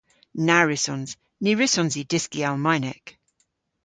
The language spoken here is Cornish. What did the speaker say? Na wrussons. Ny wrussons i dyski Almaynek.